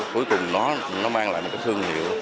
cuối cùng nó mang lại một thương hiệu